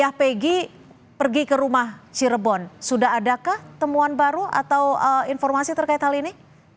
ya peggy pergi ke rumah cirebon sudah adakah temuan baru atau informasi terkait hal ini